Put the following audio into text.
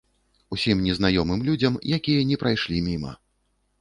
Усім незнаёмым людзям, якія не прайшлі міма.